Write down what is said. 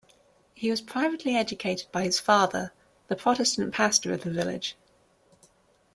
He was privately educated by his father, the Protestant pastor of the village.